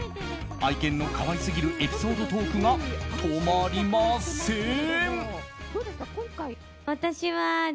愛犬の可愛すぎるエピソードトークが止まりません。